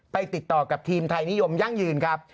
ติดต่อกับทีมไทยนิยมยั่งยืนครับ